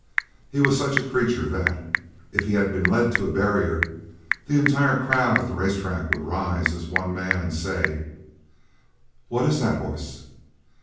He was such a creature that, if he had been led to a barrier, the entire crowd at the race track would rise as one man and say: "What is that horse?"